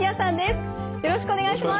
よろしくお願いします。